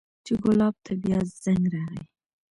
چې ګلاب ته بيا زنګ راغى.